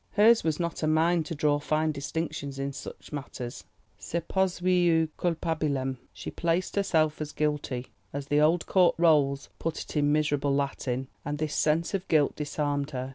Hers was not a mind to draw fine distinctions in such matters. Se posuit ut culpabilem: she "placed herself as guilty," as the old Court rolls put it in miserable Latin, and this sense of guilt disarmed her.